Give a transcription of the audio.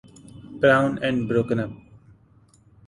Brown and broken up.